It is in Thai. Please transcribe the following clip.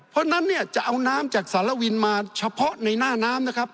เพราะฉะนั้นเนี่ยจะเอาน้ำจากสารวินมาเฉพาะในหน้าน้ำนะครับ